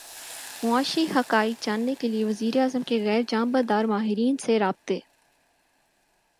معاشی حقائق جاننے کیلیے وزیر اعظم کے غیر جانبدار ماہرین سے رابطے